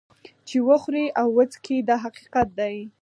چې وخوري او وڅکي دا حقیقت دی.